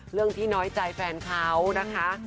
เรื่องที่น้อยใจแฟนเขานะคะ